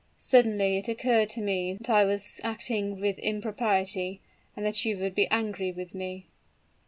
Suddenly it occurred to me that I was acting with impropriety, and that you would be angry with me.